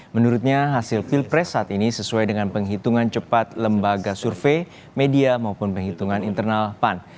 menurutnya hasil pilpres saat ini sesuai dengan penghitungan cepat lembaga survei media maupun penghitungan internal pan